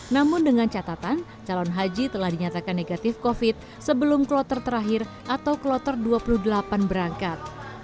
namun dengan catatan calon haji telah dinyatakan negatif covid sembilan belas sebelum kloter terakhir atau kloter dua puluh delapan berangkat